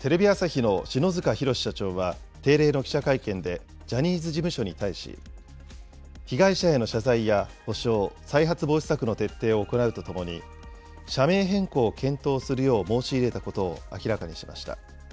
テレビ朝日の篠塚浩社長は定例の記者会見で、ジャニーズ事務所に対し、被害者への謝罪や補償、再発防止策の徹底を行うとともに、社名変更を検討するよう申し入れたことを明らかにしました。